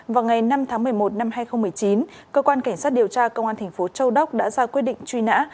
vào ngày năm tháng một mươi một năm hai nghìn một mươi chín cơ quan cảnh sát điều tra công an thành phố châu đốc đã ra quyết định truy nã